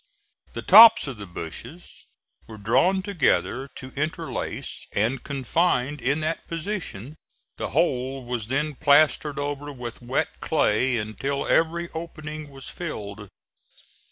The tops of the bushes were drawn together to interlace, and confined in that position; the whole was then plastered over with wet clay until every opening was filled.